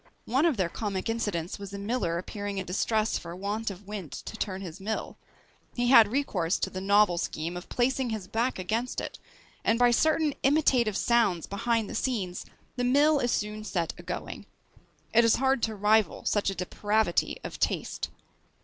One of their comic incidents was a miller appearing in distress for want of wind to turn his mill; he had recourse to the novel scheme of placing his back against it, and by certain imitative sounds behind the scenes the mill is soon set a going. It is hard to rival such a depravity of taste.